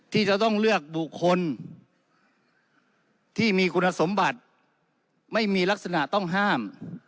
ที่จะต้องเลือกบุคคลที่มีคุณสมบัติไม่มีลักษณะต้องห้าม